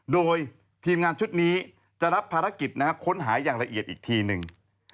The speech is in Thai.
โดยทีมงานชุดนี้จะรับภารกิจค้นหาอย่างละเอียดอีกทีหนึ่ง